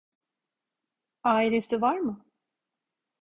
Ailesi var mı?